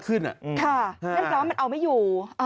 ค่ะนั่นก็มันเอาไม่อยู่